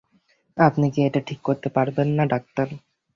আপনি কি এটা ঠিক করতে পারবেন না, ডাক্তার?